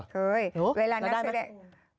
เคยเวลานักแสดง